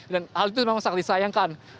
dan hal itu memang sangat disayangkan